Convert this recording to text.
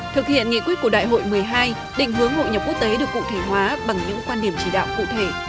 thực hiện nghị quyết của đại hội một mươi hai định hướng hội nhập quốc tế được cụ thể hóa bằng những quan điểm chỉ đạo cụ thể